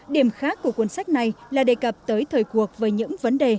điểm khác của cuốn sách này là đề cập tới thời cuộc với những vấn đề